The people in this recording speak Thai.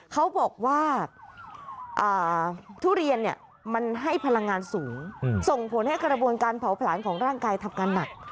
เขาบอกว่าทุเรียนเนี่ยมันให้พลังงานสูงส่งผลให้กระบวนการเผาผลาญของร่างกายทำงานหนัก